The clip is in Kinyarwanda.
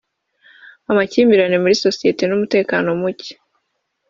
amakimbirane muri sosiyete n’umutekano mucye